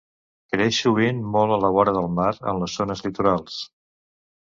Creix sovint molt a la vora del mar en les zones litorals.